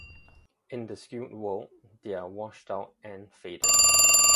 In the skewed world, they're washed out and faded.